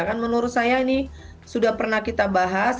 kan menurut saya ini sudah pernah kita bahas